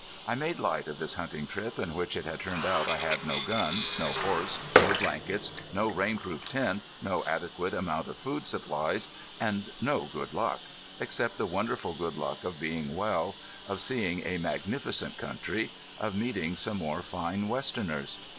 I made light of this hunting trip in which it had turned out I had no gun, no horse, no blankets, no rain proof tent, no adequate amount of food supplies, and no good luck, except the wonderful good luck of being well, of seeing a magnificent country, of meeting some more fine westerners.